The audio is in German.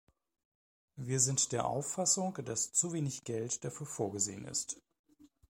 Wir sind der Auffassung, dass zu wenig Geld dafür vorgesehen ist.